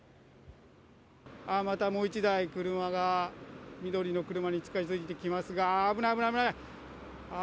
あっ、またもう１台車が、緑の車に近づいてきますが、危ない、危ない、危ない。